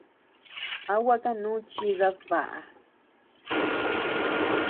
¿A gua kanu chidad baʼa?